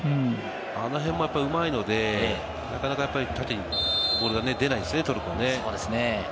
あの辺もうまいので、なかなか縦にボールが出ないですね、トルコも。